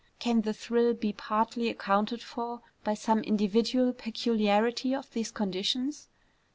Can the thrill be partly accounted for by some individual peculiarity of these conditions?